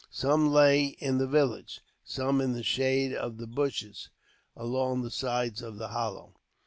Some lay in the village, some in the shade of the bushes along the sides of the hollow.